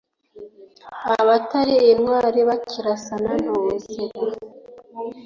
Abatali intwali bakirasana « ntuwuzira »